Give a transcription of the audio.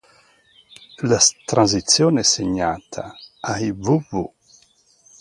La transizione è segnata, ai vv.